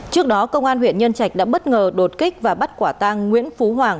trước đó công an huyện nhân trạch đã bất ngờ đột kích và bắt quả tang nguyễn phú hoàng